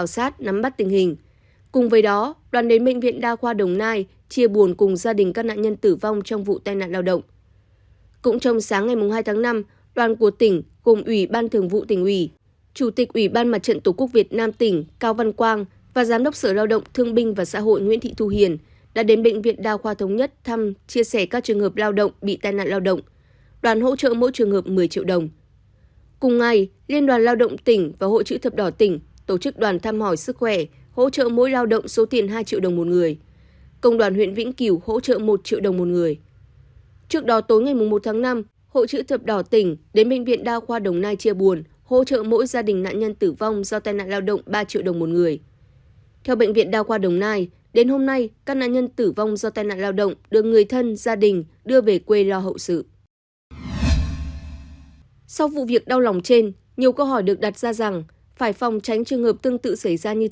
sau vụ việc đau lòng trên nhiều câu hỏi được đặt ra rằng phải phòng tránh trường hợp tương tự xảy ra như thế nào khi nổi hơi là thiết bị phổ biến trong hoạt động của nhiều ngành công nghiệp hiện nay